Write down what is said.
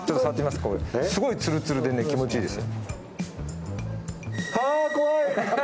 すごいつるつるで気持ちいいですよ。